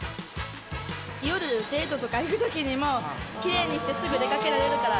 夜、デートとか行くときにも、きれいにしてすぐ出かけられるから。